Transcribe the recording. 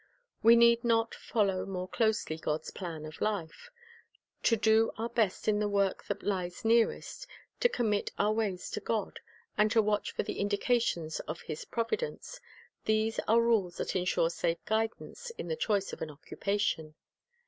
We need to follow more closely God's plan of life. To do our best in the work that lies nearest, to commit our ways to God, and to watch fin the indications of I lis providence, — these are rules that insure safe guidance in the choice of an occupation.